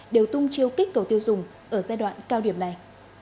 đều tung chiêu kích cầu tiêu dùng ở giai đoạn cao điểm này